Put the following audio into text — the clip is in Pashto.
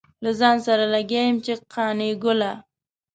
له ځان سره لګيا يم چې قانع ګله.